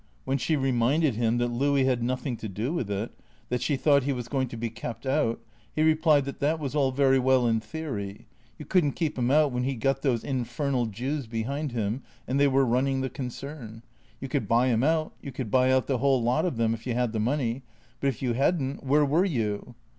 When she reminded him that Louis had nothing to do with it, that she thought he was going to be kept out, he replied that that was all very well in theory ; you could n't keep him out when he 'd got those infernal Jews behind him, and they were running the concern. You could buy him out, you could buy out the whole lot of them if you had the money ; but, if you had n't, where were you?